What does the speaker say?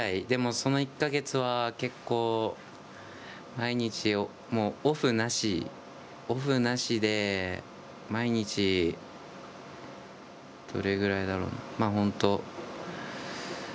でも、その１か月は結構、毎日オフなしオフなしで毎日どれぐらいだろうな。